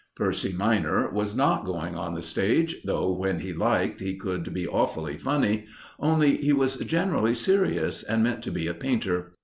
Percy minor was not going on the stage, though when he liked he could be awfully funny. Only he was generally serious, and meant to be a painter.